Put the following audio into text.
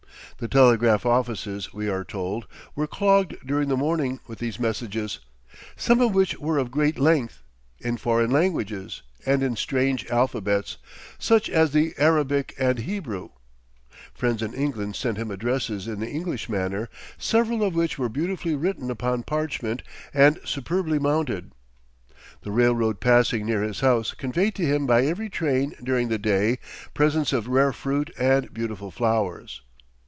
The telegraph offices, we are told, were clogged during the morning with these messages, some of which were of great length, in foreign languages and in strange alphabets, such as the Arabic and Hebrew. Friends in England sent him addresses in the English manner, several of which were beautifully written upon parchment and superbly mounted. The railroad passing near his house conveyed to him by every train during the day presents of rare fruit and beautiful flowers.